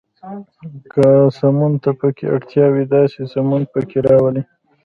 که سمون ته پکې اړتیا وي، داسې سمون پکې راولئ.